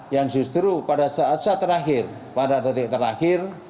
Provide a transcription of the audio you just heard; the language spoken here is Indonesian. yang justru pada saat saat terakhir pada detik terakhir